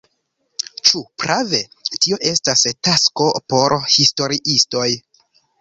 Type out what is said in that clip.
Ĉu prave, tio estas tasko por historiistoj.